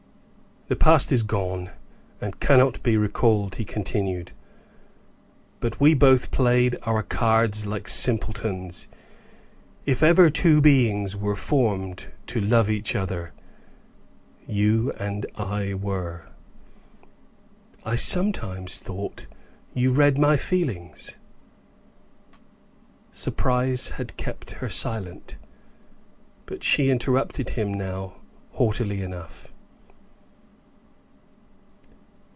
"The past is gone, and cannot be recalled," he continued, "but we both played our cards like simpletons. If ever two beings were formed to love each other, you and I were. I sometimes thought you read my feelings " Surprise had kept her silent, but she interrupted him now, haughtily enough.